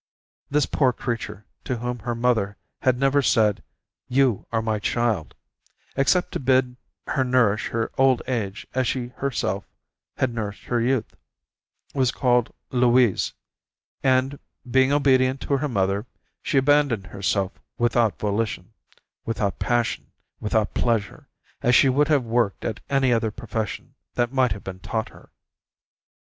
This poor creature to whom her mother had never said, "You are my child," except to bid her nourish her old age as she herself had nourished her youth, was called Louise, and, being obedient to her mother, she abandoned herself without volition, without passion, without pleasure, as she would have worked at any other profession that might have been taught her.